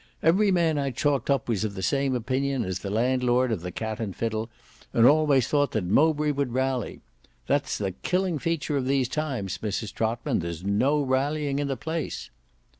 Every man I chalked up was of the same opinion as the landlord of the Cat and Fiddle, and always thought that Mowbray would rally. That's the killing feature of these times, Mrs Trotman, there's no rallying in the place."